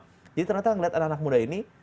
jadi ternyata ngeliat anak anak muda ini